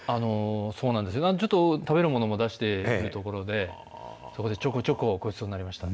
そうなんです、ちょっと、食べるものも出している所で、そこでちょこちょこごちそうになりました。